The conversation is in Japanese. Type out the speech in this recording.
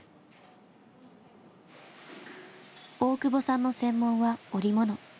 大久保さんの専門は織物。